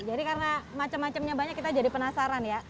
jadi karena macam macamnya banyak kita jadi penasaran ya